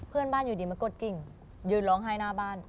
เพื่อนบ้านอยู่ดีมากดกิ่งยืนร้องไห้หน้าบ้าน